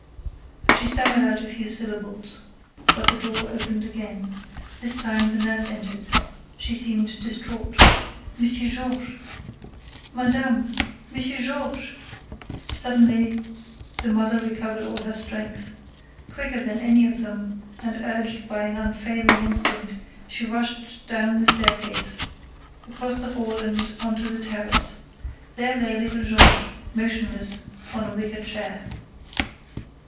She stammered out a few syllables. But the door opened again. This time, the nurse entered. She seemed distraught: "M. Georges—madame—M. Georges—!" Suddenly, the mother recovered all her strength. Quicker than any of them, and urged by an unfailing instinct, she rushed down the staircase, across the hall and on to the terrace. There lay little Georges, motionless, on a wicker chair.